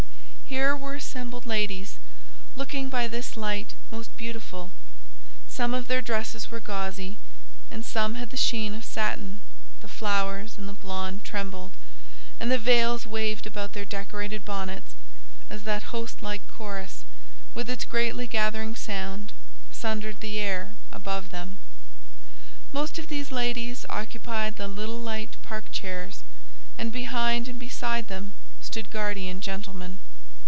Here were assembled ladies, looking by this light most beautiful: some of their dresses were gauzy, and some had the sheen of satin, the flowers and the blond trembled, and the veils waved about their decorated bonnets, as that host like chorus, with its greatly gathering sound, sundered the air above them. Most of these ladies occupied the little light park chairs, and behind and beside them stood guardian gentlemen.